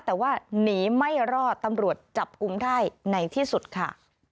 แต่ว่าหนีไม่รอดตำรวจจับกุมได้ในที่สุดค่ะ